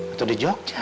atau di jogja